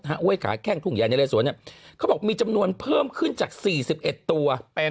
โรคอ้วยขาแข้งทุ่งใหญ่นาเลสวนเนี่ยเขาบอกมีจำนวนเพิ่มขึ้นจาก๔๑ตัว